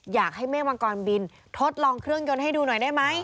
อยากให้เมฆมังกรบินทดลองเครื่องยนต์ให้ดูหน่อยได้ไหม